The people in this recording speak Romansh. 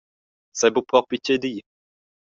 Sai buc propi tgei dir.